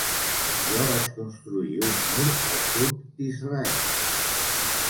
Jo vaig construir un mur al sud d’Israel.